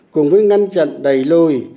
cùng với ngăn chặn đầy lùi